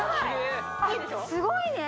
すごいね！